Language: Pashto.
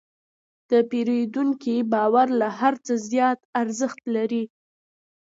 د پیرودونکي باور له هر څه زیات ارزښت لري.